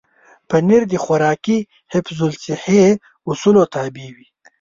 پنېر د خوراکي حفظ الصحې اصولو تابع وي.